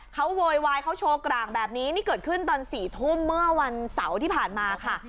เขาโวยวายเขาโชว์กลางแบบนี้นี่เกิดขึ้นตอน๔ทุ่มเมื่อวันเสาร์ที่ผ่านมาค่ะ